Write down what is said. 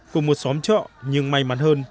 cùng một xóm chợ nhưng may mắn hơn